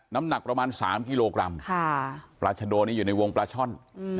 น้ำหนักประมาณ๓กิโลกรัมปลาชะโดนี่อยู่ในวงปลาช่อน